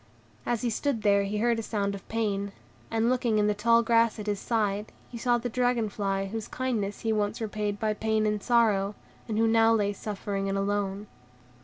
As he stood here he heard a sound of pain, and, looking in the tall grass at his side, he saw the dragon fly whose kindness he once repayed by pain and sorrow, and who now lay suffering and alone.